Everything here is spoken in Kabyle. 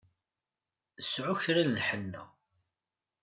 Sεu kra n lḥenna!